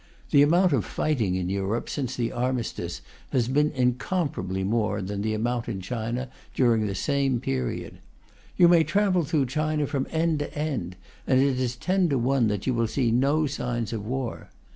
The amount of fighting in Europe since the Armistice has been incomparably more than the amount in China during the same period. You may travel through China from end to end, and it is ten to one that you will see no signs of war.